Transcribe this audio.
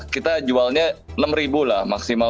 kita jualnya enam ribu lah maksimal